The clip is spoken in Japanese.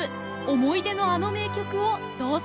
思い出のあの名曲をどうぞ！